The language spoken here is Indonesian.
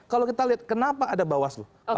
kalau kita lihat kenapa ada mbak waslu